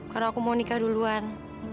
karena aku mau nikah duluan